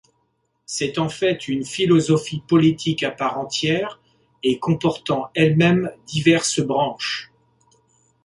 C'est en fait une philosophie politique à part entière et comportant elle-même diverses branches.